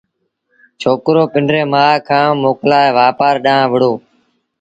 ڇوڪرو پنڊريٚ مآ کآݩ موڪلآئي وآپآر ڏآݩهݩ وهُڙو